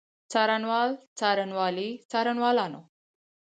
څارنوال، څارنوالي، څارنوالانو.